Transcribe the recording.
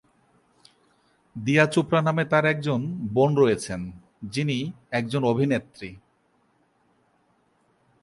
দিয়া চোপড়া নামে তাঁর একজন বোন রয়েছেন, যিনি একজন অভিনেত্রী।